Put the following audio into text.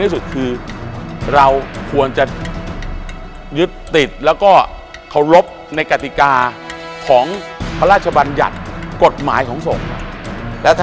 สุดคือเราควรจะยึดติดแล้วก็เคารพในกติกาของพระราชบัญญัติกฎหมายของสงฆ์